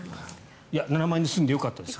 ７万円で済んでよかったです。